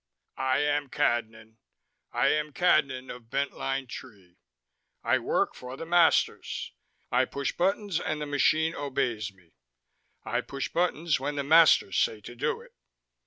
"I am Cadnan, I am Cadnan of Bent Line Tree, I work for the masters, I push buttons and the machine obeys me, I push buttons when the masters say to do it.